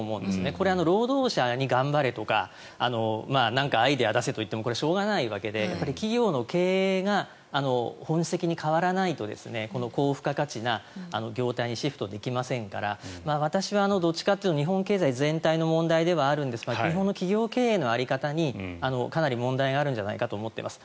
これは労働者に頑張れとかアイデアを出せとか言ってもこれはしょうがないわけで企業の経営が本質的に変わらないと高付加価値な業態にシフトできませんから私はどっちかというと日本経済全体の問題ではあるんですが日本の企業経営の在り方にかなり問題があるんじゃないかなと思っています。